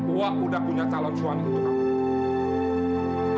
wak udah punya calon suami untuk kamu